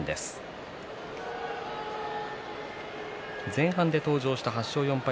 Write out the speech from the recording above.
前半で登場した８勝４敗